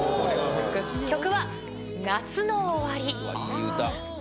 曲は、夏の終わり。